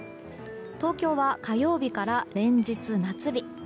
東京は火曜日から連日夏日。